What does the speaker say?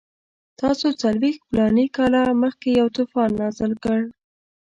تاسو څلوېښت فلاني کاله مخکې یو طوفان نازل کړ.